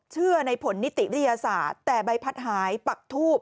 เชื่อในผลนิติวิทยาศาสตร์แต่ใบพัดหายปักทูบ